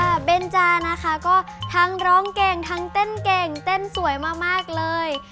เบนจานะคะก็ทั้งร้องเก่งทั้งเต้นเก่งเต้นสวยมากเลย